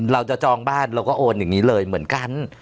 จองบ้านเราก็โอนอย่างนี้เลยเหมือนกัน